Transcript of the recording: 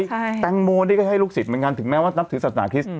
ใช่ค่ะแตงโมนี่ก็ให้ลูกศิษย์เหมือนกันถึงแม้ว่านับถือศาสนาคริสต์